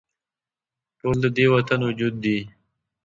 ټول د دې وطن وجود دي